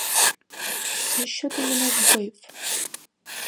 За що ти мене вбив?